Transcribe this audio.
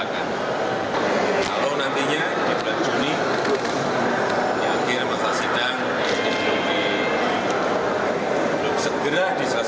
kalau nantinya di bulan juni di akhir masa sidang untuk segera diselesaikan saya akan keluarkan perbuatan